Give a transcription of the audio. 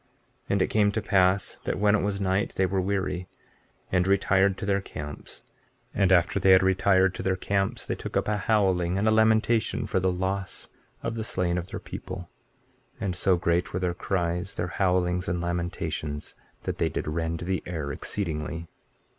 15:16 And it came to pass that when it was night they were weary, and retired to their camps; and after they had retired to their camps they took up a howling and a lamentation for the loss of the slain of their people; and so great were their cries, their howlings and lamentations, that they did rend the air exceedingly.